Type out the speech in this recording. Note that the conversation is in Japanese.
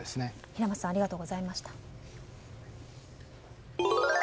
平松さんありがとうございました。